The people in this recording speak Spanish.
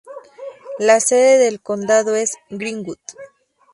La sede del condado es Greenwood.